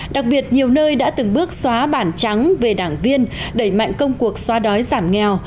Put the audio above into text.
đặc biệt nhiều nơi đã từng bước xóa bản trắng về đảng viên đẩy mạnh công cuộc xóa đói giảm nghèo